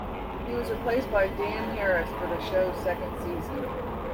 He was replaced by Dan Harris for the show's second season.